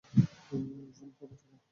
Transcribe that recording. Phone করো তাকে।